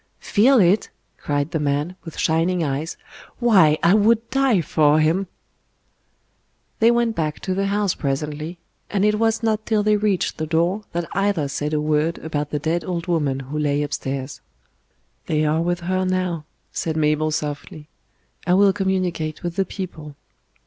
"Feel it!" cried the man, with shining eyes. "Why, I would die for Him!" They went back to the house presently, and it was not till they reached the door that either said a word about the dead old woman who lay upstairs. "They are with her now," said Mabel softly. "I will communicate with the people."